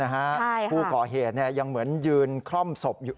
ใช่ค่ะผู้ก่อเหตุเนี่ยยังเหมือนยืนคล่อมศพอยู่